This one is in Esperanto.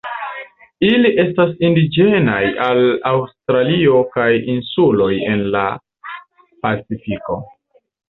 Ili estas indiĝenaj al Aŭstralio kaj insuloj en la Pacifiko.